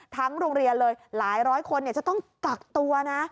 โรงเรียนเลยหลายร้อยคนจะต้องกักตัวนะ